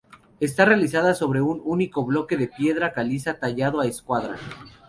Está realizada sobre un único bloque de piedra caliza tallado a escuadra.